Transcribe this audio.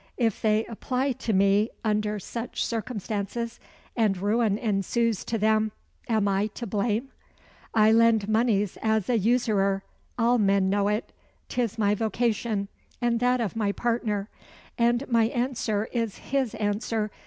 If they apply to me under such circumstances, and ruin ensues to them, am I to blame? I lend monies as a usurer all men know it. 'Tis my vocation, and that of my partner; and my answer is his answer.